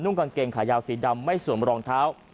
กางเกงขายาวสีดำไม่สวมรองเท้า